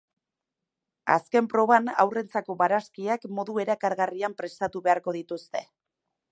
Azken proban haurrentzako barazkiak modu erakargarrian prestatu beharko dituzte.